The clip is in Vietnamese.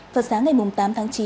phần sáng ngày tám tháng chín